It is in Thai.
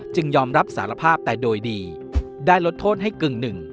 ยอมรับสารภาพแต่โดยดีได้ลดโทษให้กึ่งหนึ่ง